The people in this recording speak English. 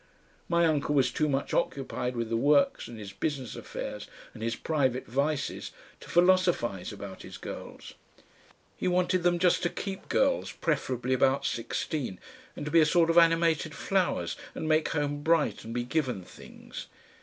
My uncle was too much occupied with the works and his business affairs and his private vices to philosophise about his girls; he wanted them just to keep girls, preferably about sixteen, and to be a sort of animated flowers and make home bright and be given things.